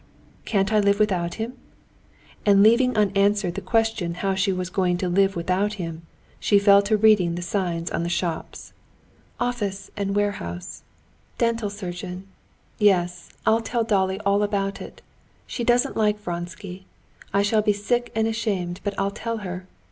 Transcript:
Can't I live without him?" And leaving unanswered the question how she was going to live without him, she fell to reading the signs on the shops. "Office and warehouse. Dental surgeon. Yes, I'll tell Dolly all about it. She doesn't like Vronsky. I shall be sick and ashamed, but I'll tell her.